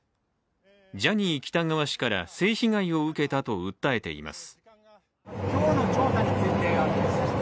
ジャニー喜多川氏から性被害を受けたと訴えています。